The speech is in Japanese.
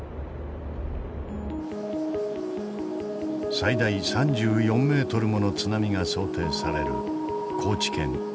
最大３４メートルもの津波が想定される高知県黒潮町。